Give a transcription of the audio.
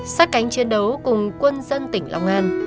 sát cánh chiến đấu cùng quân dân tỉnh long an